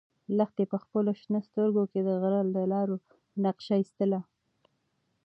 لښتې په خپلو شنه سترګو کې د غره د لارو نقشه ایستله.